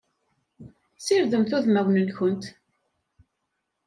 Sirdemt udmawen-nkent!